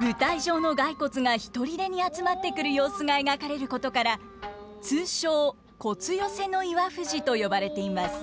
舞台上の骸骨がひとりでに集まってくる様子が描かれることから通称「骨寄せの岩藤」と呼ばれています。